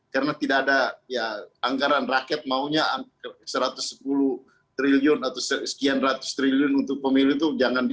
karena tidak ada anggaran rakyat maunya satu ratus sepuluh triliun atau sekian ratus triliun untuk pemilu itu